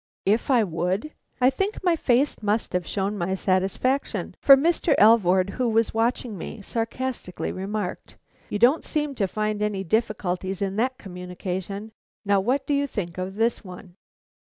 If I would! I think my face must have shown my satisfaction, for Mr. Alvord, who was watching me, sarcastically remarked: "You don't seem to find any difficulties in that communication. Now, what do you think of this one?"